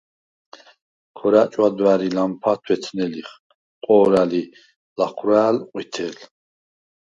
ქორა̈ ჭვა̈დვა̈რ ი ლამფა თვეთნე ლიხ, ყო̄რა̈ლ ი ლაჴვრა̄̈̈ლ – ყვითელ.